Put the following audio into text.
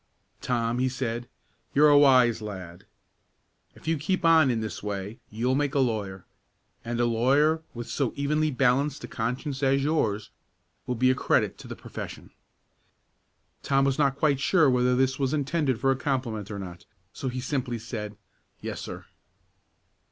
"Tom," he said, "you're a wise lad. If you keep on in this way, you'll make a lawyer; and a lawyer, with so evenly balanced a conscience as yours, will be a credit to the profession." Tom was not quite sure whether this was intended for a compliment or not, so he simply said, "Yes, sir."